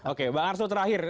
oke mbak arso terakhir